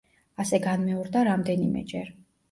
ასე განმეორდა რამდენიმეჯერ.